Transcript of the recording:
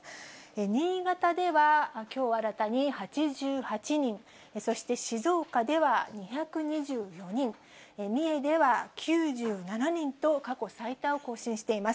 新潟ではきょう新たに８８人、そして静岡では２２４人、三重では９７人と、過去最多を更新しています。